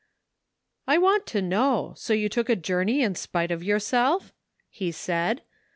"I want to know! So you took a journey in spite of yourself?" he said.